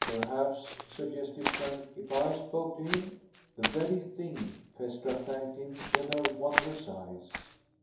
"Perhaps," suggested Frank, "if I spoke to him...." "The very thing." Phaestra thanked him with her wondrous eyes.